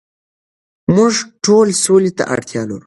موږ ټول سولې ته اړتیا لرو.